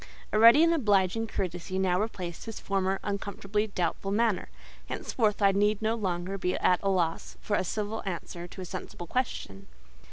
A ready and obliging courtesy now replaced his former uncomfortably doubtful manner; henceforth I need no longer be at a loss for a civil answer to a sensible question.